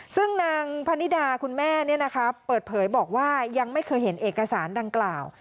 ซึ่งนางพนิดาคุณแม่เปิดเผยบอกว่ายังไม่เคยเห็นเอกสารดังกล่าว